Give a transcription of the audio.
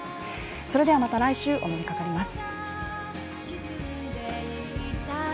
それではまた来週、お目にかかります。